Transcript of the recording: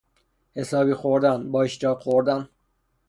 حسابی خوردن، با اشتیاق خوردن